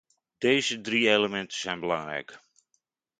Deze drie elementen zijn belangrijk.